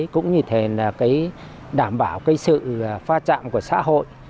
cũng như thế là đảm bảo sự phát triển